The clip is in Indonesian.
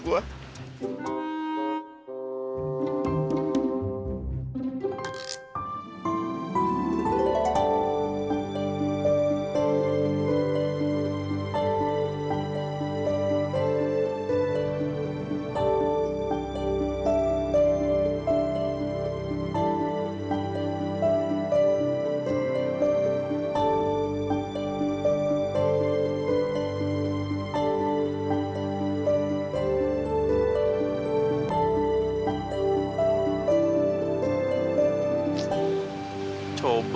kau aneh gak menanyain saya kecil